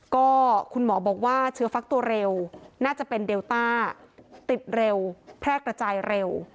ก็คุณหมอบอกว่าเชื้อฟักตัวเร็วน่าจะเป็นเดลต้าติดเร็วแพร่กระจายเร็ว